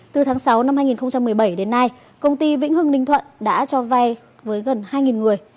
từ tháng sáu năm hai nghìn một mươi bảy đến nay công ty vĩnh hưng ninh thuận đã cho vay với gần hai người